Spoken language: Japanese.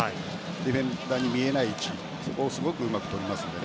ディフェンダーに見えない位置そこをうまくとりますので。